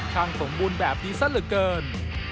คังสงบูรณ์แบบดีซะเหลือเกิน